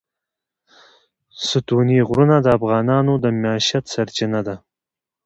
ستوني غرونه د افغانانو د معیشت سرچینه ده.